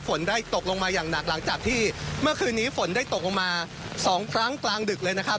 ฝนได้ตกลงมาอย่างหนักหลังจากที่เมื่อคืนนี้ฝนได้ตกลงมา๒ครั้งกลางดึกเลยนะครับ